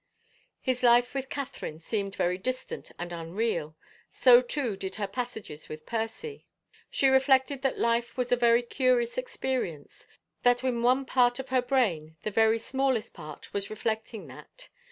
His life with Catherine seemed very distant and unreal. So, too, did her passages with Percy. She reflected that life was a very curious experience — that is one part of her brain, the very small est part, was reflecting that.